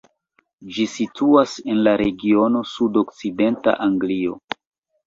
Ĝi situas en la regiono sudokcidenta Anglio.